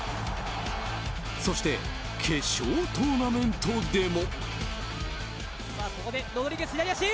そして、決勝トーナメントでも。